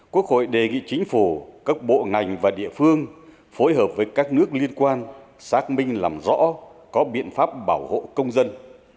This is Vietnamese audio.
quốc hội đề nghị chính phủ các bộ ngành và địa phương phối hợp với các nước liên quan xác minh làm rõ có biện pháp bảo hộ công dân